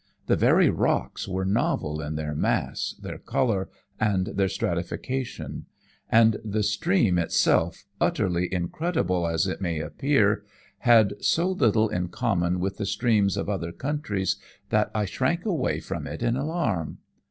The very rocks were novel in their mass, their colour, and their stratification; and the stream itself, utterly incredible as it may appear, had so little in common with the streams of other countries that I shrank away from it in alarm.